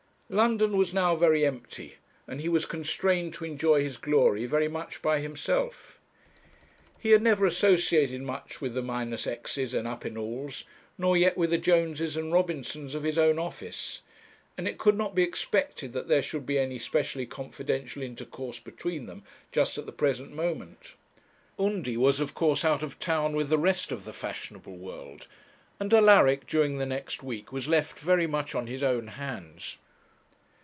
London was now very empty, and he was constrained to enjoy his glory very much by himself. He had never associated much with the Minusexes and Uppinalls, nor yet with the Joneses and Robinsons of his own office, and it could not be expected that there should be any specially confidential intercourse between them just at the present moment. Undy was of course out of town with the rest of the fashionable world, and Alaric, during the next week, was left very much on his own hands.